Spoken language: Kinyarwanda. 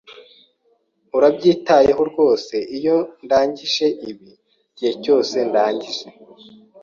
Urabyitayeho rwose iyo ndangije ibi igihe cyose ndangije?